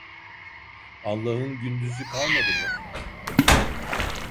Allah'ın gündüzü kalmadı mı?